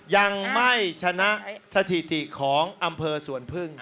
ยังไม่ชนะสถิติของอำเภอสวนพึ่ง